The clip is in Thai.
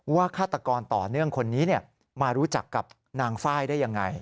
ฆาตกรต่อเนื่องคนนี้มารู้จักกับนางไฟล์ได้ยังไง